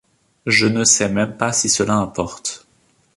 Je ne sais même pas si cela importe.